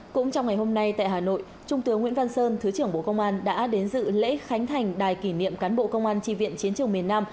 cũng trong ngày hôm nay tại hà nội trung tướng nguyễn văn sơn thứ trưởng bộ công an đã đến dự lễ khánh thành đài kỷ niệm cán bộ công an tri viện chiến trường miền nam